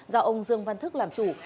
do ông dương văn thức làm chủ